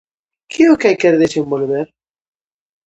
Que é o que hai que desenvolver?